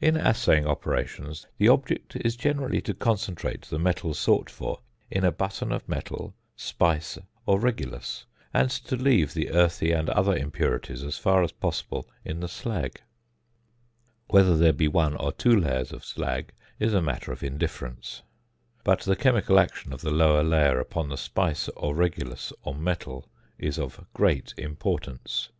In assaying operations the object is generally to concentrate the metal sought for in a button of metal, speise or regulus, and to leave the earthy and other impurities as far as possible in the slag; whether there be one or two layers of slag is a matter of indifference; but the chemical action of the lower layer upon the speise, or regulus, or metal, is of great importance.